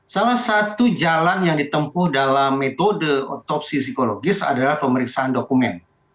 salah satu jalan yang ditempuh dalam metode otopsi psikologis adalah pemeriksaan dokumen